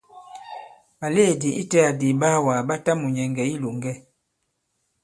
Ɓàlèedì itẽ adi ìɓaawàgà ɓa ta mùnyɛ̀ŋgɛ̀ i ilòŋgɛ.